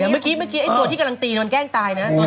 เมื่อกี้เมื่อกี้ตัวที่กำลังตีมันแก้งตายน่ะตัวไหน